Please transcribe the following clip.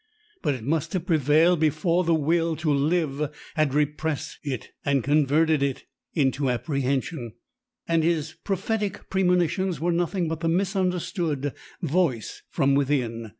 But it must have prevailed before the will to live had repressed it and converted it into apprehension. And his prophetic premonitions were nothing but the misunderstood voice from within.